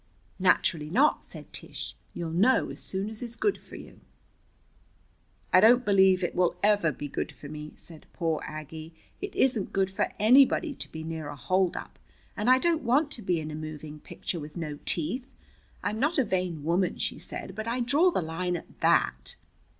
"Naturally not," said Tish. "You'll know as soon as is good for you." "I don't believe it will ever be good for me," said poor Aggie. "It isn't good for anybody to be near a holdup. And I don't want to be in a moving picture with no teeth. I'm not a vain woman," she said, "but I draw the line at that."